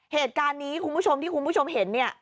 เหตุการณ์นี้คุณผู้ชมที่คุณผู้ชมเห็นเนี่ย